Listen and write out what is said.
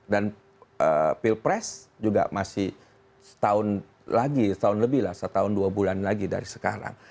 dan pilpres juga masih setahun lagi setahun lebih lah setahun dua bulan lagi dari sekarang